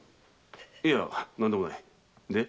いゃ何でもない。